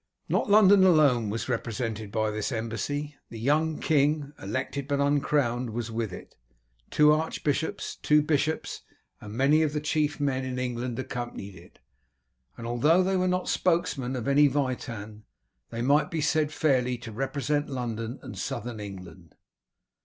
Not London alone was represented by this embassy. The young king, elected but uncrowned, was with it; two archbishops, two bishops, and many of the chief men in England accompanied it, and although they were not the spokesmen of any Witan, they might be said fairly to represent London and Southern England.